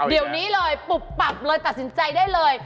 เดี๋ยวนี้เลยปุบปับเลยตัดสินใจได้เลย